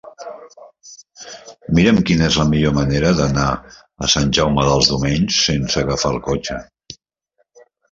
Mira'm quina és la millor manera d'anar a Sant Jaume dels Domenys sense agafar el cotxe.